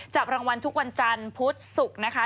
จับรางวัลทุกวันจันทร์พุธศุกร์นะคะ